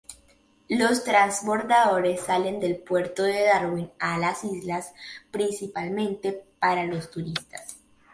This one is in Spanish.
Los transbordadores salen del puerto de Darwin a las islas principalmente para los turistas.